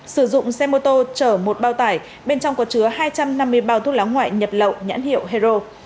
sử dụng xe mô tô chở một bao tải bên trong có chứa hai trăm năm mươi bao thuốc lá ngoại nhập lậu nhãn hiệu hero